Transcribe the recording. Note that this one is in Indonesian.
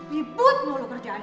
ribut lo lo kerjaannya